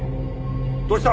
どうした？